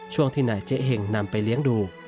ช่วงที่นายเจ๊เห็งนำไปเลี้ยงดู